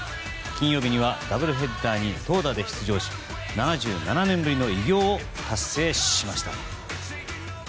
金曜日にはダブルヘッダーに投打で出場し７７年ぶりの偉業を達成しました。